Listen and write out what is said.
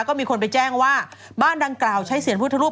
ก็มีคนไปแจ้งว่าบ้านดังกล่าวใช้เสียงพุทธรูป